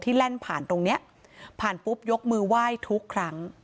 แล่นผ่านตรงนี้ผ่านปุ๊บยกมือไหว้ทุกครั้ง